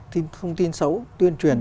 thông tin xấu tuyên truyền